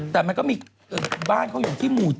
แต่มันก็มีบ้านเขาอยู่ที่หมู่๗